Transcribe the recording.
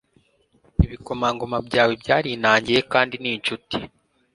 Ibikomangoma byawe byarinangiye kandi ni incuti